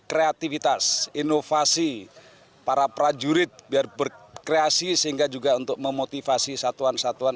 kreativitas inovasi para prajurit biar berkreasi sehingga juga untuk memotivasi satuan satuan